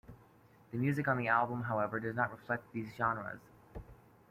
The music on the album however, does not reflect these genres.